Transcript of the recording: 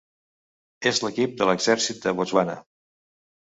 És l'equip de l'exèrcit de Botswana.